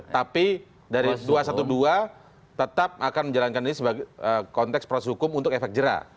tapi dari dua ratus dua belas tetap akan menjalankan ini sebagai konteks proses hukum untuk efek jerah